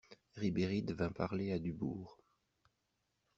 Ribéride vint parler à Dubourg.